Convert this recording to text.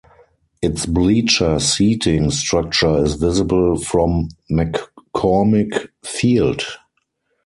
Its bleacher seating structure is visible from McCormick Field.